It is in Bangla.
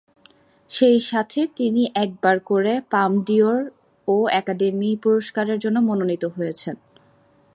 সেই সাথে তিনি একবার করে পাম ডি’ওর ও একাডেমি পুরস্কারের জন্যও মনোনীত হয়েছেন।